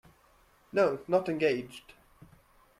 No, not engaged.